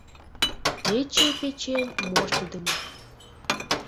Пече печен моштыдымо